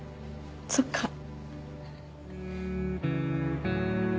そっか。